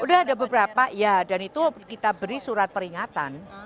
sudah ada beberapa ya dan itu kita beri surat peringatan